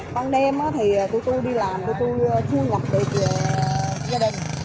ban đêm thì tụi tôi đi làm tụi tôi chui ngập việc về gia đình